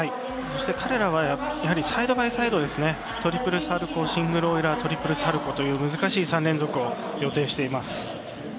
そして彼らはやはりサイドバイサイドトリプルサルコーシングルオイラートリプルサルコーという難しい３連続を予定しています。